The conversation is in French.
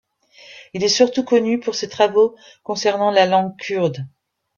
Il est surtout connu pour ses travaux concernant la langue kurde.